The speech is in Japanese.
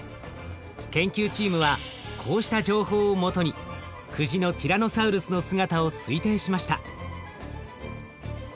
研究チームはこうした情報をもとに久慈のティラノサウルスの姿を推定しました。